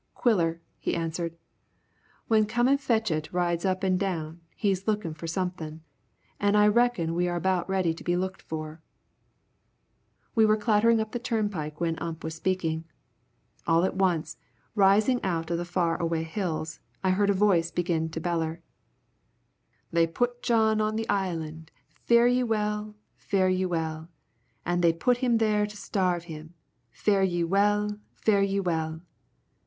"Quiller," he answered, "when Come an' go fetch it rides up an' down, he's lookin' for somethin'. An' I reckon we're are about ready to be looked for." We were clattering up the turnpike while Ump was speaking. All at once, rising out of the far away hills, I heard a voice begin to bellow: "They put John on the island. Fare ye well, fare ye well. An' they put him there to starve him. Fare ye well, fare ye well."